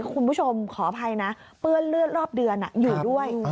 ขออภัยนะเปื้อนเลือดรอบเดือนอยู่ด้วย